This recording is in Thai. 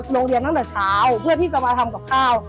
โรงเรียนตั้งแต่เช้าเพื่อที่จะมาทำกับข้าว